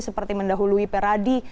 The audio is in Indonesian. seperti mendahului peradi